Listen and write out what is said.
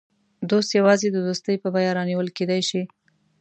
دوست یوازې د دوستۍ په بیه رانیول کېدای شي.